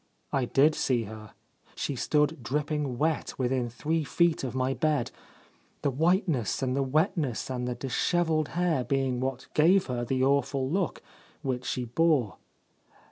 I did see her. She stood dripping wet within three feet of my bed, the whiteness and the wetness and the dishevelled hair being what gave her the awful look which she bore.